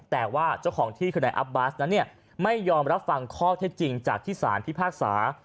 แต่ว่าเจ้าของที่คือนายอัพบาสนั้นไม่ยอมรับฟังข้อเท็จจริงจากที่สารพิพากษา